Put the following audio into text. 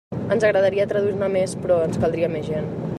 Ens agradaria traduir-ne més, però ens caldria més gent.